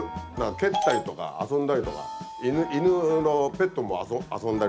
蹴ったりとか遊んだりとか犬のペットも遊んだりとか。